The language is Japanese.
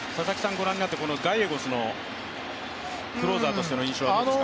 ご覧になってガイエゴスのクローザーとしての印象はどうですか？